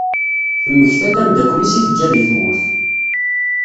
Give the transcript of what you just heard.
Temmekta-d ameddakel-is i teǧǧa deg tmurt.